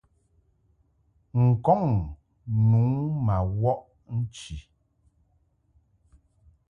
N-kɔŋ nu ma wɔʼ nchi.